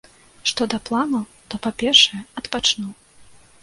Што да планаў, то па-першае, адпачну.